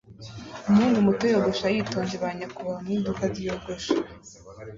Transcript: Umuhungu muto yogosha yitonze ba nyakubahwa mu iduka ryogosha